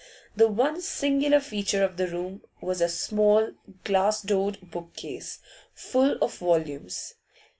The one singular feature of the room was a small, glass doored bookcase, full of volumes.